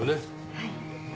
はい。